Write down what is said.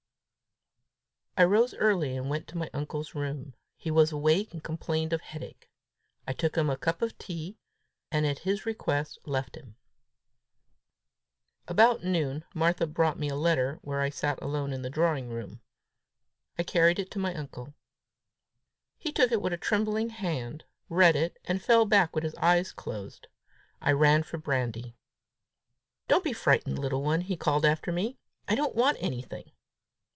I rose early, and went to my uncle's room. He was awake, but complained of headache. I took him a cup of tea, and at his request left him. About noon Martha brought me a letter where I sat alone in the drawing room. I carried it to my uncle. He took it with a trembling hand, read it, and fell back with his eyes closed. I ran for brandy. "Don't be frightened, little one," he called after me. "I don't want anything."